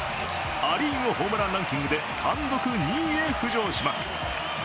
ア・リーグホームランランキングで単独２位へ浮上します。